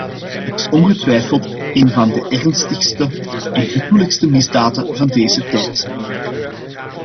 Het is ongetwijfeld een van de ernstigste en gruwelijkste misdaden van deze tijd.